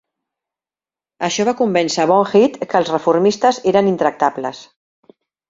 Això va convèncer Bond Head que els reformistes eren intractables.